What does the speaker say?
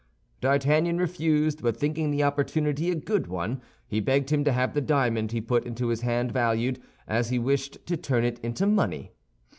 D'Artagnan refused; but thinking the opportunity a good one, he begged him to have the diamond he put into his hand valued, as he wished to turn it into money.